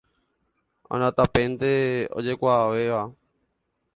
Anatápente ojekuaavéva.